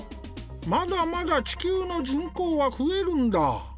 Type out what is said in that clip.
まだまだ地球の人口は増えるんだ。